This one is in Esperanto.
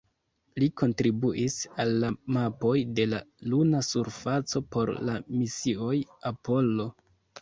Li kontribuis al la mapoj de la luna surfaco por la misioj Apollo.